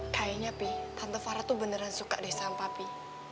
kayaknya pi tante fara tuh beneran suka deh saham papi